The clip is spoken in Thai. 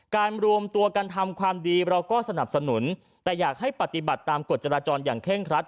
รวมตัวกันทำความดีเราก็สนับสนุนแต่อยากให้ปฏิบัติตามกฎจราจรอย่างเคร่งครัด